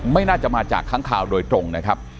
ไม่น่าจะมาจากค้างคาวโดยตรงนะครับ